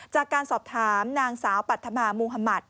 จากการสอบถามนางสาวปัธมามุธมัติ